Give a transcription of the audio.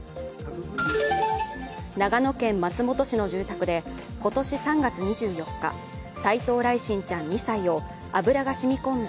長野県松本市の住宅で今年３月２４日、斉藤來心ちゃん２歳を油がしみ込んだ